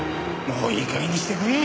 もういい加減にしてくれ。